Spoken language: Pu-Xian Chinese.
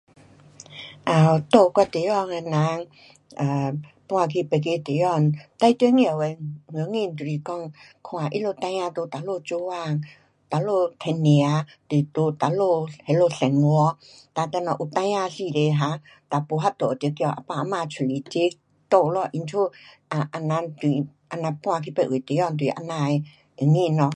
um 住我地方的人，um 搬去别个地方 um 最重要的原因就是讲看他们孩儿在那里做工，那里赚吃，就在哪里那里生活，哒等下有孩儿时刻哈，哒没办法，得叫啊爸啊妈出来齐住咯。因此啊，啊人搬去别位地方就是这样原因咯。